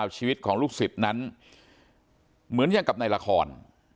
ชีวิตของลูกศิษย์นั้นเหมือนอย่างกับในละคร